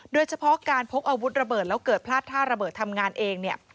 โดยเฉพาะการพกอาวุธระเบิดแล้วเกิดพลาดท่าระเบิดทำงานเองเนี่ย